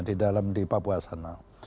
di dalam di papua sana